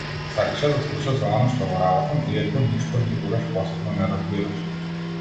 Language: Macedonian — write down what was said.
Сакаше да слуша за она што го работам, иако ништо никогаш посебно не разбираше.